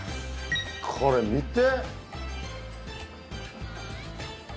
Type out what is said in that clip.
これ見て！